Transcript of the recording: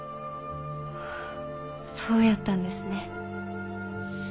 あそうやったんですね。